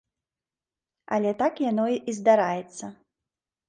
Але так яно і здараецца.